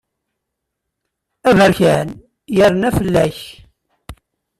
Aberkan yerna fell-ak.